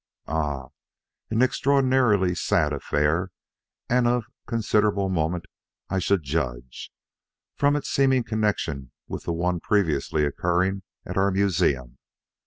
"Ah! an extraordinarily sad affair, and of considerable moment I should judge, from its seeming connection with the one previously occurring at our museum.